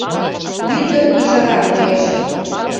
Мӱндыр ӱжара коеш...